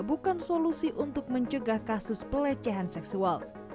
bukan solusi untuk mencegah kasus pelecehan seksual